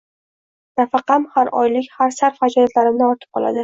Nafaqam har oylik sarf-xarajatlarimdan ortib qoladi